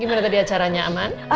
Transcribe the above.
gimana tadi acaranya aman